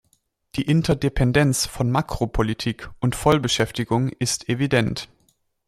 Die Interdependenz von Makropolitik und Vollbeschäftigung ist evident.